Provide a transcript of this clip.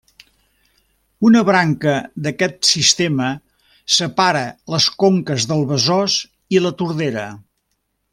Una branca d'aquest sistema separa les conques del Besòs i la Tordera.